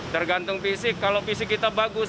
tergantung fisik kalau fisik kita bagus